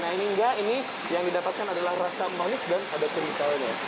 nah ini enggak ini yang didapatkan adalah rasa manis dan ada kentalnya